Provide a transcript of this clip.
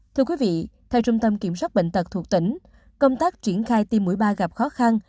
thưa quý vị theo trung tâm kiểm soát bệnh tật thuộc tỉnh công tác triển khai tiêm mũi ba gặp khó khăn